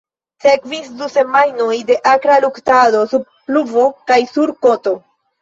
Sekvis du semajnoj de akra luktado sub pluvo kaj sur koto.